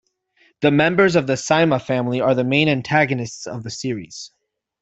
The members of the Psyma family are the main antagonists of the series.